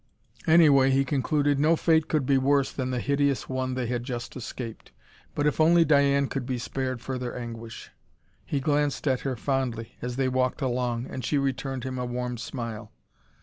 Anyway, he concluded, no fate could be worse than the hideous one they had just escaped. But if only Diane could be spared further anguish! He glanced at her fondly, as they walked along, and she returned him a warm smile.